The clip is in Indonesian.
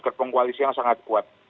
gerbong koalisi yang sangat kuat